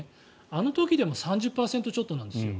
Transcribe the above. あの時でも３０％ちょっとなんですよ。